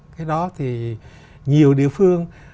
cái đó thì nhiều địa phương